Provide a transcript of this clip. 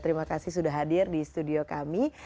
terima kasih sudah hadir di studio kami